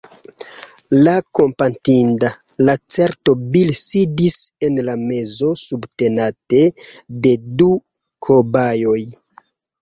La kompatinda lacerto Bil sidis en la mezo subtenate de du kobajoj